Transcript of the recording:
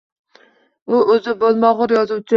U o’zi bo’lmag’ur yozuvchi